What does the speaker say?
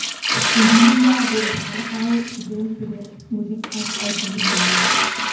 In diesem Jahr wurde Schandmaul zudem für den Musikpreis Echo nominiert.